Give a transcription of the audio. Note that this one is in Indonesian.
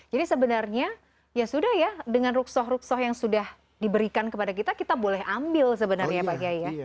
jadi sebenarnya ya sudah ya dengan ruksoh ruksoh yang sudah diberikan kepada kita kita boleh ambil sebenarnya pak kiai ya